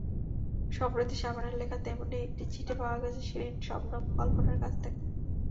সম্প্রতি শাবানার লেখা তেমনি একটি চিঠি পাওয়া গেছে শিরিন শবনম কল্পনার কাছ থেকে।